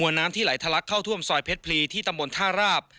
น้ำที่ไหลทะลักเข้าท่วมซอยเพชรพลีที่ตำบลท่าราบ